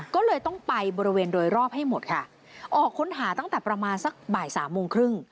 ก็เลยต้องไปบริเวณโดยรอบให้หมดค่ะออกค้นหาตั้งแต่ประมาณสักบ่ายสามโมงครึ่ง